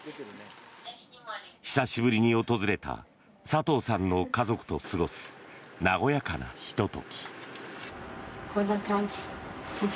久しぶりに訪れた佐藤さんの家族と過ごす和やかなひと時。